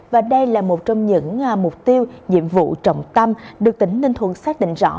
và đây là một trong những mục tiêu nhiệm vụ trọng tâm được tỉnh ninh thuận xác định rõ